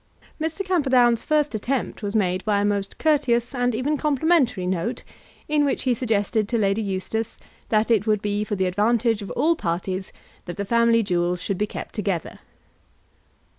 Mr. Camperdown's first attempt was made by a most courteous and even complimentary note, in which he suggested to Lady Eustace that it would be for the advantage of all parties that the family jewels should be kept together.